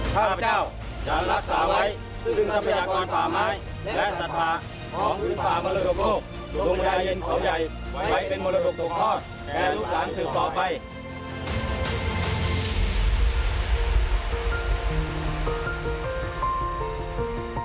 ข้าราบเจ้าจะรักษาไว้ซึ่งทรัพยากรป่าไม้